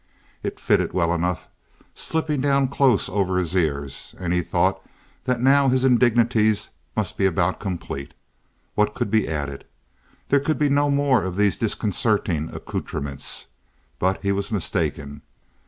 It fitted well enough, slipping down close over his ears, and he thought that now his indignities must be about complete. What could be added? There could be no more of these disconcerting accoutrements. But he was mistaken.